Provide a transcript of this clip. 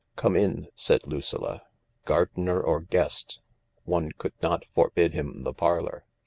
"Come in," said Lucilla. Gardener or guest, one could not forbid him the parlour.